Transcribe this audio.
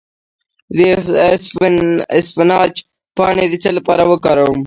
د اسفناج پاڼې د څه لپاره وکاروم؟